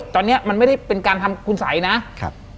ตอนนี้มันไม่ได้เป็นการทำคุณสัยนะครับ